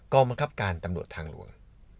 บังคับการตำรวจทางหลวง